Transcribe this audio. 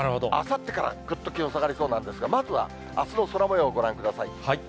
あさってからぐっと気温下がりそうなんですが、まずはあすの空もようをご覧ください。